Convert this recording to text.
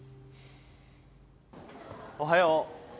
おはよう。